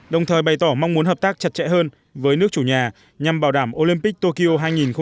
đồng thời bày tỏ mong muốn hợp tác chặt chẽ hơn với nước chủ nhà nhằm bảo đảm olympic tokyo hai nghìn hai mươi